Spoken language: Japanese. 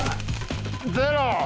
ゼロ！